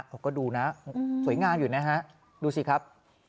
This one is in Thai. เขาก็ดูนะสวยงามอยู่นะฮะดูสิครับ